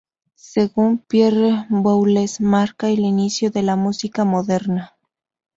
Según Pierre Boulez marca el inicio de la música moderna.